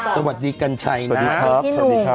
สวัสดีกัญชายนะ๒อื่นครับ